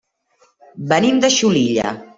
Venim de Xulilla.